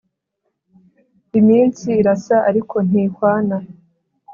Iminsi irasa ariko ntihwana.